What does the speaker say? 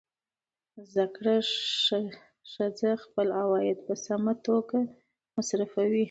زده کړه ښځه خپل عواید په سمه توګه مصرفوي.